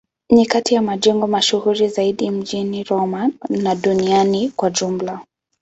Ni kati ya majengo mashuhuri zaidi mjini Roma na duniani kwa ujumla.